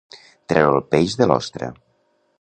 Treure el peix de l'ostra.